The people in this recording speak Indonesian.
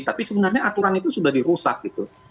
tapi sebenarnya aturan itu sudah dirusak gitu